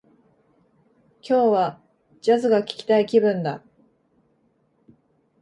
今日は、ジャズが聞きたい気分だ